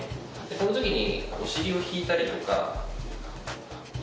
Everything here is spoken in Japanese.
この時に。